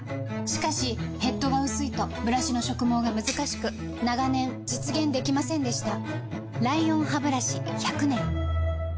しかしヘッドが薄いとブラシの植毛がむずかしく長年実現できませんでした